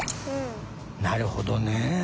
なるほどね。